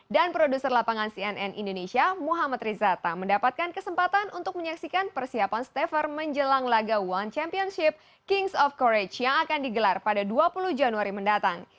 dan produser lapangan cnn indonesia muhammad rizata mendapatkan kesempatan untuk menyaksikan persiapan stafer menjelang laga one championship kings of courage yang akan digelar pada dua puluh januari mendatang